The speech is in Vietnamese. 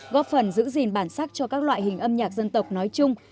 góp phần giữ gìn bản sắc cho các loại hình âm nhạc dân tộc nói chung